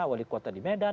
wali kuota di medan